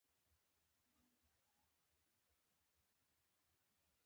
د بلوشفټ نږدې شیان ښيي.